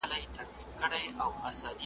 دا نوي شعرونه، چي زه وایم خدای دي ,